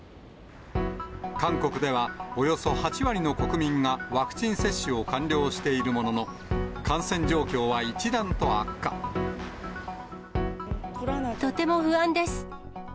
韓国ではおよそ８割の国民がワクチン接種を完了しているものとても不安です。